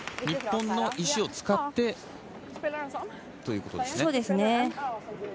日本の石を使ってということそうですね。